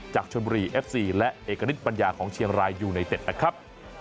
จากชนบุรีเอฟซีและเอกณิตปัญญาของเชียงรายยูไนเต็ดนะครับ